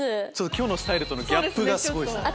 今日のスタイルとのギャップがすごいですね。